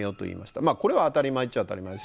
これは当たり前っちゃ当たり前ですよね。